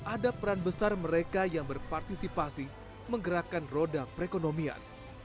ada peran besar mereka yang berpartisipasi menggerakkan roda perekonomian